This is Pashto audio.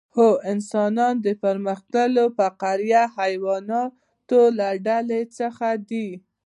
هو انسانان د پرمختللو فقاریه حیواناتو له ډلې څخه دي